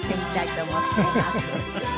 フフフフ！